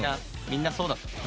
みんなそうだった。